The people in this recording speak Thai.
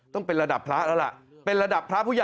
ต้องเป็นระดับพระแล้วล่ะเป็นระดับพระผู้ใหญ่